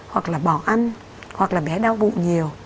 hoặc là bỏ ăn hoặc là bé đau bụng nhiều